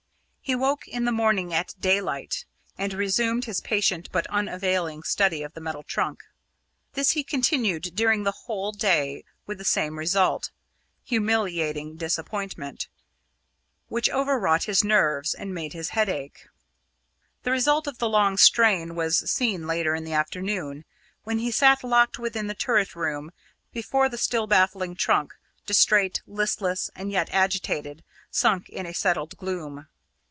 He woke in the morning at daylight, and resumed his patient but unavailing study of the metal trunk. This he continued during the whole day with the same result humiliating disappointment, which overwrought his nerves and made his head ache. The result of the long strain was seen later in the afternoon, when he sat locked within the turret room before the still baffling trunk, distrait, listless and yet agitated, sunk in a settled gloom.